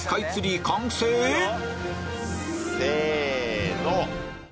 せの。